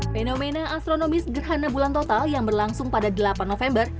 fenomena astronomis gerhana bulan total yang berlangsung pada delapan november